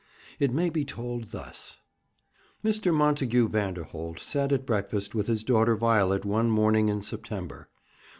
It may be told thus: Mr. Montagu Vanderholt sat at breakfast with his daughter Violet one morning in September.